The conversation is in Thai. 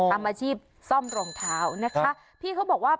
ทำอาชีพซ่อมรองเท้าพี่เขาบอกว่า